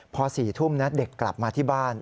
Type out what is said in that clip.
พอ๔ทุ่มนะเด็กกลับมาที่บ้าน